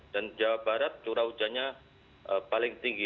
dan jawa barat curah hujannya paling tinggi